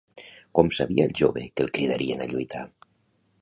Com sabia el jove que el cridarien a lluitar?